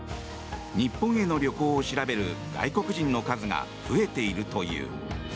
日本への旅行を調べる外国人の数が増えているという。